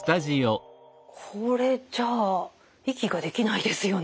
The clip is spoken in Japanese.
これじゃあ息ができないですよね。